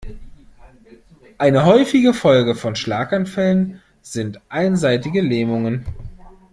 Eine häufige Folge von Schlaganfällen sind einseitige Lähmungen.